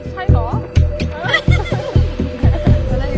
สวัสดีครับ